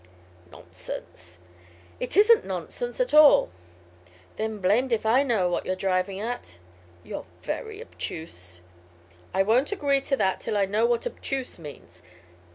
"Nonsense." "It isn't nonsense at all." "Then blamed if I know what you're driving at." "You're very obtuse." "I won't agree to that till I know what 'obtuse' means.